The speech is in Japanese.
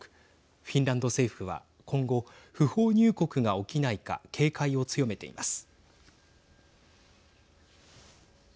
フィンランド政府は今後不法入国が起きないか警戒を強めています。